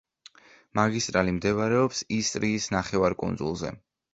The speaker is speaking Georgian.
მაგისტრალი მდებარეობს ისტრიის ნახევარკუნძულზე.